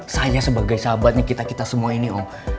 saya sebagai sahabatnya kita kita semua ini om